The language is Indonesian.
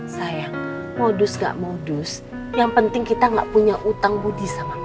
sayang modus nggak modus yang penting kita nggak punya utang budi sama mike